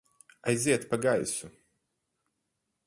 Aiziet pa gaisu!